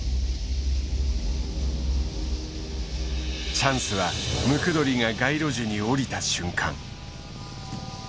チャンスはムクドリが街路樹に降りた瞬間。